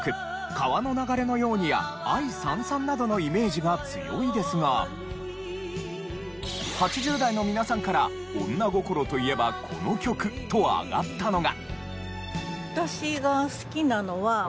『川の流れのように』や『愛燦燦』などのイメージが強いですが８０代の皆さんから女心といえばこの曲と挙がったのが。